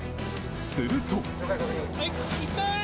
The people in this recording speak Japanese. すると。